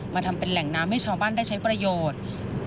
ทำเป็นแหล่งน้ำให้ชาวบ้านได้ใช้ประโยชน์